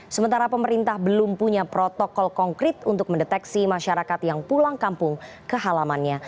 sementara pemerintah belum punya protokol konkret untuk mendeteksi masyarakat yang pulang kampung ke halamannya